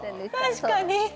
確かに。